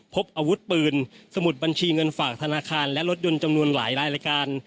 พบอาวุธปืนสมุดบัญชีเงินฝากธนาคารและรถยนต์จำนวนหลายรายการ